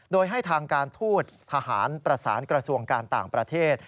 โดยให้ทางการทูตทหารประสานกระทรวงการต่างประเทศ